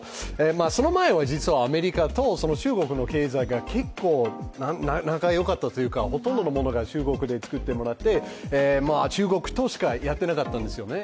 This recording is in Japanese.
その前はアメリカと中国の経済が結構仲よかったというか、ほとんどのものが中国で作ってもらって、中国としかやってなかったんですね。